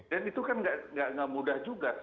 dan itu kan tidak mudah juga